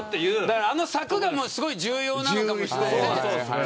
あの柵が重要なのかもしれないね。